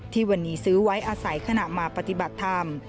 ที่วันนี้ซื้อไว้อาศัยขณะมาปฏิบัติธรรม